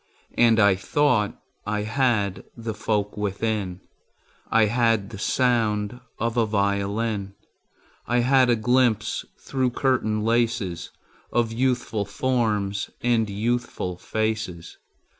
And I thought I had the folk within: I had the sound of a violin; I had a glimpse through curtain laces Of youthful forms and youthful faces.